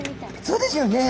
そうですよね。